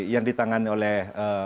yang ditangani oleh